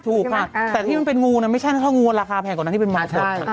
ถูกค่ะแต่ที่มันเป็นงูเนี่ยไม่ใช่ที่มันเป็นงูราคาแพงกว่านั้นที่มันเป็นมองขอบ